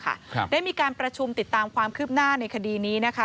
ครับได้มีการประชุมติดตามความคืบหน้าในคดีนี้นะคะ